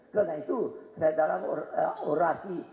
karena itu saya dalam orasi